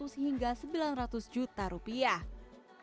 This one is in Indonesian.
kue kering yang diperoleh oleh sudartati adalah kue kering yang berkualitas kaya